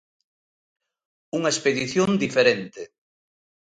Unha expedición diferente.